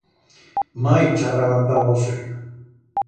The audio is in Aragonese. Mai charraban d'algo serio.